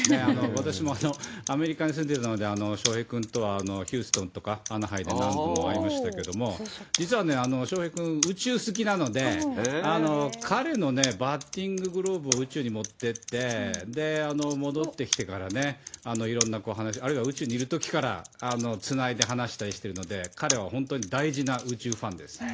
私もアメリカに住んでいるので、翔平君とはヒューストンとかアナハイムで何度も会いましたけれども、翔平君、宇宙好きなので、彼のバッティンググローブを宇宙に持ってって、戻ってきてからね、いろんな話、あるいは宇宙にいるときから、つないで話したりしてるので、彼は本当に大事な宇宙ファンです。